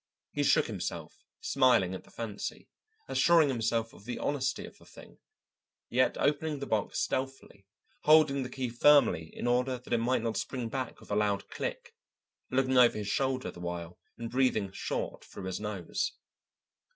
He shook himself, smiling at the fancy, assuring himself of the honesty of the thing, yet opening the box stealthily, holding the key firmly in order that it might not spring back with a loud click, looking over his shoulder the while and breathing short through his nose.